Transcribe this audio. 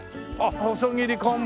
細切り昆布。